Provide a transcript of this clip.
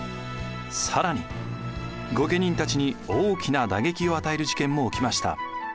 更に御家人たちに大きな打撃を与える事件も起きました。